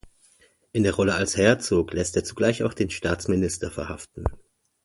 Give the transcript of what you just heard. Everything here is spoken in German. In der Rolle als Herzog lässt er zugleich auch den Staatsminister verhaften.